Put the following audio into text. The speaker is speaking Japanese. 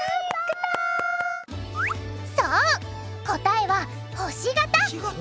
そう答えは「星型」！